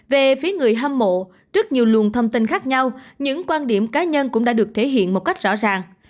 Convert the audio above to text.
về phía người hâm mộ trước nhiều luồng thông tin khác nhau những quan điểm cá nhân cũng đã được thể hiện một cách rõ ràng